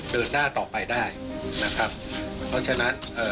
เดินหน้าต่อไปได้นะครับเพราะฉะนั้นเอ่อ